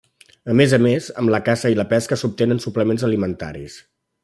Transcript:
A més a més, amb la caça i la pesca obtenen suplements alimentaris.